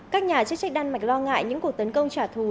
các nhà chức trách đan mạch lo ngại những cuộc tấn công trả thù